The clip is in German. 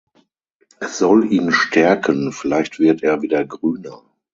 Es soll ihn stärken, vielleicht wird er wieder grüner.